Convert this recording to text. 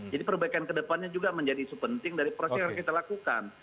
jadi perbaikan kedepannya juga menjadi isu penting dari proses yang kita lakukan